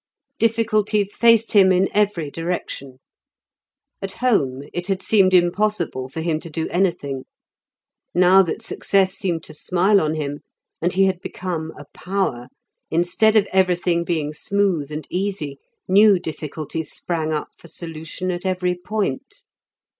Difficulties faced him in every direction; at home it had seemed impossible for him to do anything. Now that success seemed to smile on him and he had become a power, instead of everything being smooth and easy, new difficulties sprang up for solution at every point.